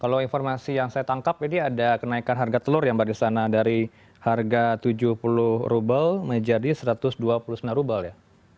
kalau informasi yang saya tangkap ini ada kenaikan harga telur ya mbak di sana dari harga tujuh puluh rubel menjadi satu ratus dua puluh sembilan rubel ya